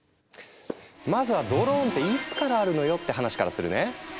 まずはドローンっていつからあるのよって話からするね。